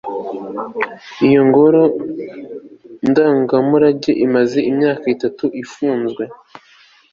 iyi ngoro ndangamurage imaze imyaka itanu ifunzwe. (lukaszpp